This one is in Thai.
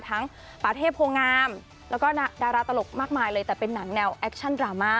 ปาเทพโพงามแล้วก็ดาราตลกมากมายเลยแต่เป็นหนังแนวแอคชั่นดราม่า